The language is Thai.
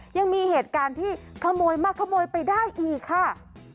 ยังมีเหตุการณ์ที่ขโมยมาขโมยไปได้อีกค่ะ